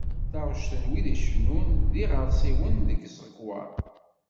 Taɣect n wid i cennun, d yiɣersiwen deg tẓegwa.